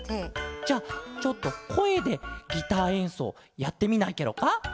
じゃあちょっとこえでギターえんそうやってみないケロか？